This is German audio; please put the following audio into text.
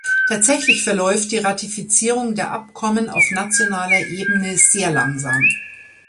Tatsächlich verläuft die Ratifizierung der Abkommen auf nationaler Ebene sehr langsam.